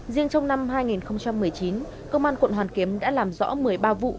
riêng trong năm hai nghìn một mươi chín công an quận hoàn kiếm đã làm rõ một mươi ba vụ